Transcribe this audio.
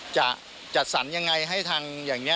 จะจัดสรรยังไงให้ทางอย่างนี้